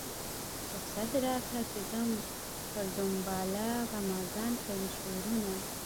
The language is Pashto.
رخصت راکړه چې ځم پر دنباله غمازان کوي شورونه.